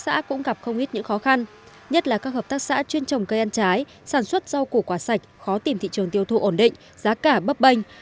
các xã cũng gặp không ít những khó khăn nhất là các hợp tác xã chuyên trồng cây ăn trái sản xuất rau củ quả sạch khó tìm thị trường tiêu thụ ổn định giá cả bấp bênh